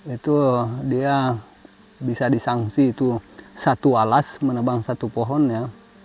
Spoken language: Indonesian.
itu dia bisa disanksi itu satu alas menebang satu pohonnya